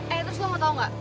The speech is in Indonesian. eh terus lo mau tau gak